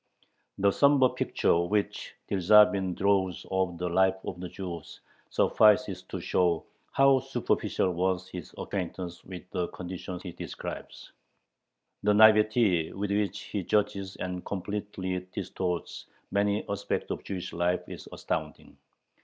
The somber picture which Dyerzhavin draws of the life of the Jews suffices to show how superficial was his acquaintance with the conditions he describes. The naïveté with which he judges and completely distorts many aspects of Jewish life is astounding.